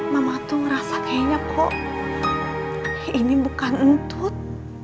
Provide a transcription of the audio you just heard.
mama tuh ngerasa kayaknya kok ini bukan entut